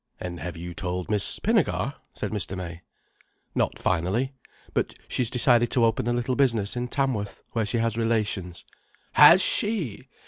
"And have you told Miss Pinnegar?" said Mr. May. "Not finally. But she has decided to open a little business in Tamworth, where she has relations." "Has she!